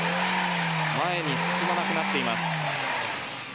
前に進まなくなっています。